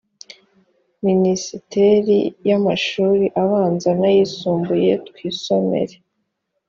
minisiteri y amashuri abanza n ayisumbuye twisomere